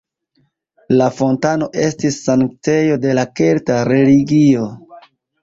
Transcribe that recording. La fontano estis sanktejo de la kelta religio.